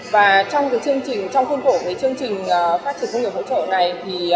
và trong khuôn khổ chương trình phát triển công nghiệp hỗ trợ này